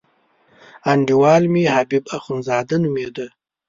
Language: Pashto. انډیوال مې حبیب اخندزاده نومېده.